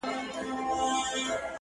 زه سم پء اور کړېږم ستا په محبت شېرينې!